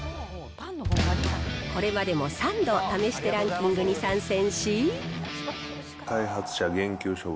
これまでも３度、試してランキングに参戦し。